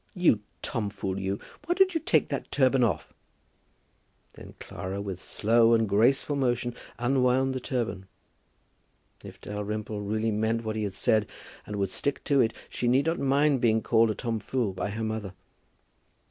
You tomfool, you, why don't you take that turban off?" Then Clara, with slow and graceful motion, unwound the turban. If Dalrymple really meant what he had said, and would stick to it, she need not mind being called a tomfool by her mother.